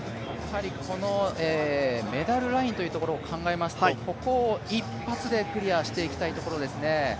このメダルラインというところを考えますとここを一発でクリアしていきたいところですね。